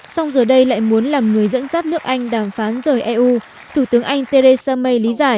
xong giờ đây lại muốn làm người dẫn dắt nước anh đàm phán rời eu thủ tướng anh theresa may lý giải